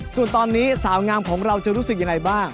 ส่วนตอนนี้สาวงามของเราจะรู้สึกยังไงบ้าง